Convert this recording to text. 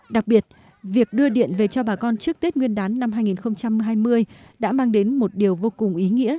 đặc biệt việc đưa điện về cho bà con trước tết nguyên đán năm hai nghìn hai mươi đã mang đến một điều vô cùng ý nghĩa